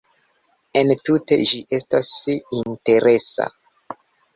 Entute ĝi estas interesa.